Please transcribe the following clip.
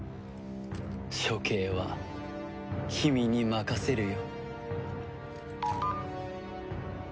処刑は君に任せるよ。